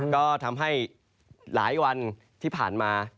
ก็ทำให้หลายวันที่ผ่านมา